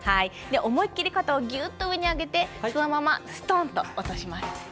思いっきり肩を上にぎゅっと上げてそのまま、すとんと落とします。